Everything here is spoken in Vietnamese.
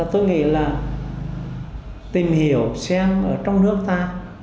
tôi nghĩ là tìm hiểu xem ở trong nước ta